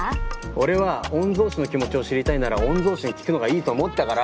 俺は御曹司の気持ちを知りたいなら御曹司に聞くのがいいと思ったから。